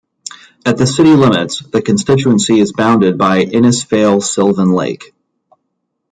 At the city limits, the constituency is bounded by Innisfail-Sylvan Lake.